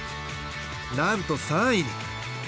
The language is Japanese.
なんと３位に！